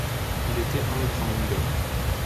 Il était all-rounder.